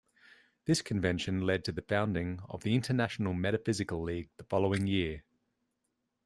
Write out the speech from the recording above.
This convention led to the founding of the International Metaphysical League the following year.